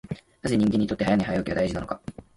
なぜ人間にとって早寝早起きは大事なのか。